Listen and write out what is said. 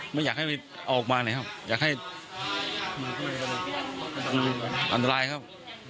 ไม่อยากให้ออกมาไหนครับอยากให้อันตรายครับ